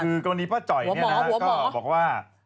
คือตอนนี้ป้าจ่อยก็บอกว่า